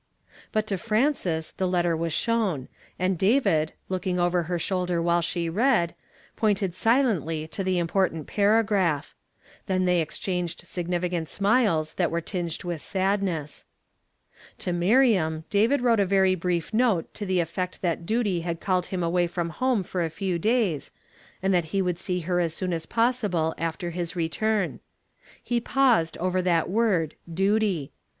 But to Frances the letter was shown ; and David, looking over her slioulder while she read, IDointed silently to the important paragraph ; then they exchanged significant smiles that were tinged with sadness. To Miriam, David wrote a very brief note to tlie effect that duty had called him away from home for a few days, and that he would see her as soon as possible after his return. He paused over that word "duty."